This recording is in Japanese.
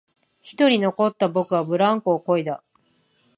一人残った僕はブランコをこいだ